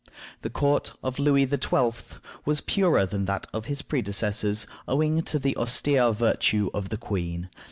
The court of Louis XII. was purer than that of his predecessors, owing to the austere virtue of the queen.